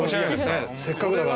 せっかくだから。